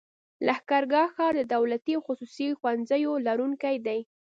لښکرګاه ښار د دولتي او خصوصي ښوونځيو لرونکی دی.